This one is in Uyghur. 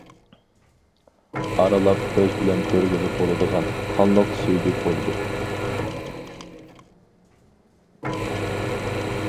ئارىلاپ كۆز بىلەن كۆرگىلى بولىدىغان، قانلىق سۈيدۈك بولىدۇ.